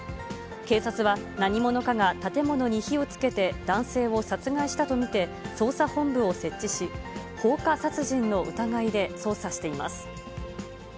警察は、何者かが建物に火をつけて男性を殺害したと見て、捜査本部を設置し、放火殺人の疑いで捜査しています。